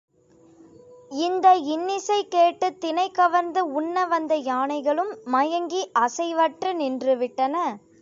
இந்த இன்னிசை கேட்டுத் தினை கவர்ந்து உண்ண வந்த யானைகளும் மயங்கி அசைவற்று நின்றுவிட்டன.